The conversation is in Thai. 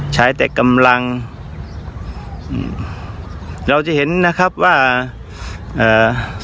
ใช้แต่กำลังอืมเราจะเห็นนะครับว่าเอ่อ